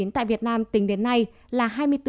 tại việt nam tính đến nay là